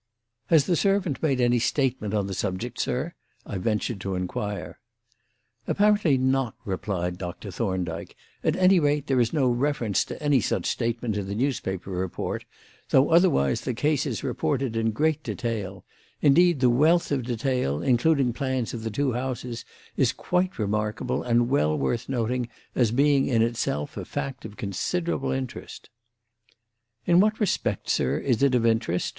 "Has the servant made any statement on the subject, sir?" I ventured to inquire. "Apparently not," replied Dr. Thorndyke; "at any rate, there is no reference to any such statement in the newspaper report, though, otherwise, the case is reported in great detail; indeed, the wealth of detail, including plans of the two houses, is quite remarkable and well worth noting as being in itself a fact of considerable interest." "In what respect, sir, is it of interest?"